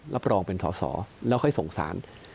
รับรองเป็นสอสอแล้วค่อยสงสาร